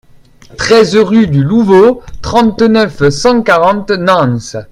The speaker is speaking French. treize rue du Louvot, trente-neuf, cent quarante, Nance